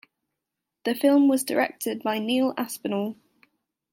The film was directed by Neil Aspinall.